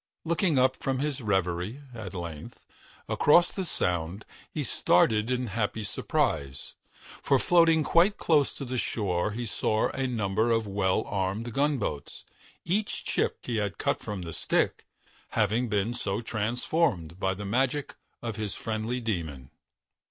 Looking up from his reverie, at length, across the Sound, he started in happy surprise, for floating quite close to the shore he saw a number of well armed gunboats; each chip that he had cut from the stick having been so transformed by the magic of his friendly demon.